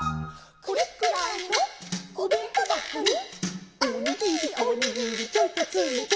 「これくらいのおべんとばこに」「おにぎりおにぎりちょいとつめて」